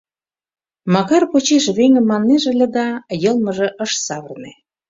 «Макар» почеш «веҥе» маннеже ыле да, йылмыже ыш савырне.